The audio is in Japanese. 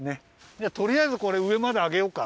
じゃあとりあえずこれうえまであげようか。